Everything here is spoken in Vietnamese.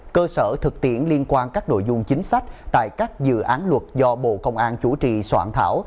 cơ sở thực tiễn liên quan các nội dung chính sách tại các dự án luật do bộ công an chủ trì soạn thảo